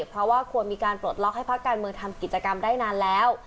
เพราะว่าควรมีการปลดล็อกให้พักการเมืองทำกิจกรรมได้นานแล้ว